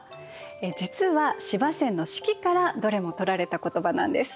実は司馬遷の「史記」からどれも取られた言葉なんです。